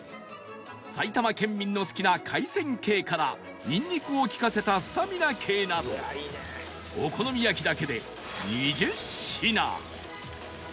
埼玉県民の好きな海鮮系からにんにくを利かせたスタミナ系などお好み焼きだけで２０品